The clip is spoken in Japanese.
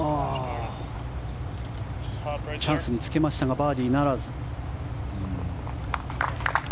チャンスにつけましたがバーディーならず。